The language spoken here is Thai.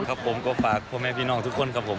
ผมก็ฝากพ่อแม่พี่น้องทุกคนครับผม